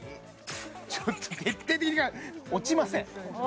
ちょっと徹底的落ちません